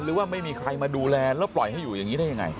หรือว่าไม่มีใครมาดูแลแล้วปล่อยให้อยู่อย่างนี้ได้ยังไง